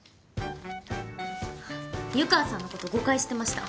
湯川さんのこと誤解してました。